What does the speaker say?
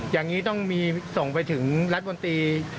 อย่างนี้ต้องมีส่งไปถึงรัฐมนตรี